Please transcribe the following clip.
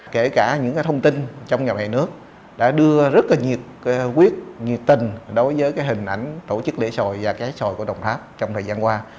kể cả những thông tin trong nhà mẹ nước đã đưa rất nhiệt quyết nhiệt tình đối với hình ảnh tổ chức lễ xoài và cá xoài của đồng tháp trong thời gian qua